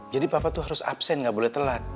papa tuh harus absen gak boleh telat